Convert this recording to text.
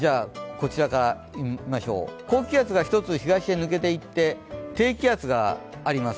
高気圧が１つ、東へ抜けていって、低気圧があります。